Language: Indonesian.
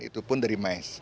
itu pun dari may